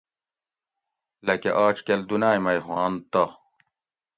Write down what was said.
لکہ آج کل دُنائ مئ ہوانت تہ